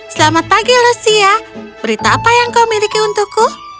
selamat pagi lucia berita apa yang kau miliki untukku